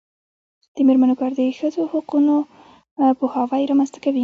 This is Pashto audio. د میرمنو کار د ښځو حقونو پوهاوی رامنځته کوي.